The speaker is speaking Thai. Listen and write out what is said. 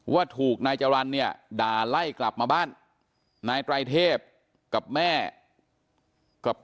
ว่าถูกนายจรรย์เนี่ยด่าไล่กลับมาบ้านนายไตรเทพกับแม่กับ